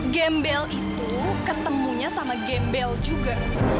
gembel itu ketemunya sama gembel juga